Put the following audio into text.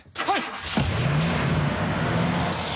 はい！